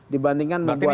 dibandingkan membuat hal hal